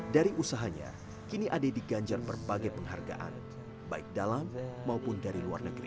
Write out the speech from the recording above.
dari usahanya kini ade diganjar berbagai penghargaan baik dalam maupun dari luar negeri